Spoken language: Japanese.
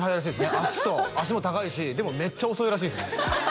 足と足も高いしでもめっちゃ遅いらしいですね